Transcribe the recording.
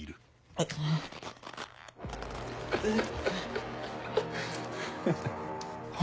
えっ？えっ？